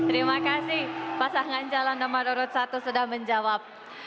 terima kasih pasangan jalan nomor satu sudah menjawab